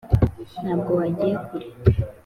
ntabwo wagiye kure